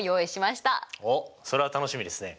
おっそれは楽しみですね。